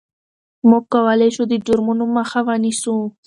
موږ کولای شو د جرمونو مخه ونیسو.